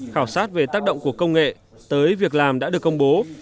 khảo sát về tác động của công nghệ tới việc làm đã được công bố